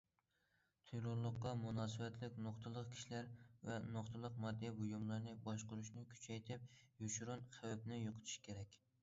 تېررورلۇققا مۇناسىۋەتلىك نۇقتىلىق كىشىلەر ۋە نۇقتىلىق ماددىي بۇيۇملارنى باشقۇرۇشنى كۈچەيتىپ، يوشۇرۇن خەۋپنى يوقىتىش كېرەك.